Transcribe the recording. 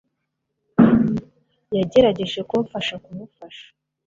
yagerageje kumfasha kumufasha